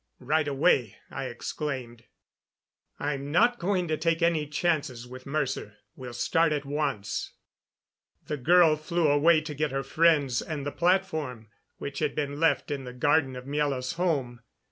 "Right away," I exclaimed. "I'm not going to take any chances with Mercer. We'll start at once." The girl flew away to get her friends and the platform, which had been left in the garden of Miela's home.